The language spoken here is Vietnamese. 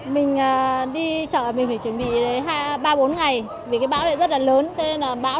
mình đi chợ mình phải chuẩn bị ba bốn ngày vì cái bão này rất là lớn bão thì mình ở trong nhà